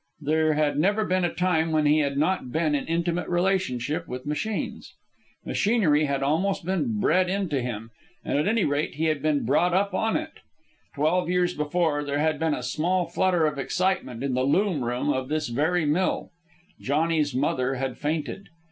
There had never been a time when he had not been in intimate relationship with machines. Machinery had almost been bred into him, and at any rate he had been brought up on it. Twelve years before, there had been a small flutter of excitement in the loom room of this very mill. Johnny's mother had fainted.